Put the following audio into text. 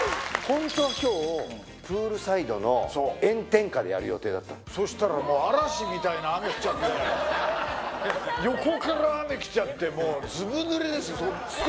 ホントは今日プールサイドの炎天下でやる予定だったのそしたらもう嵐みたいな雨降っちゃって横から雨来ちゃってもうずぶ濡れですよ